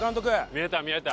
見えた見えた。